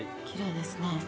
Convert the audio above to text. きれいですね。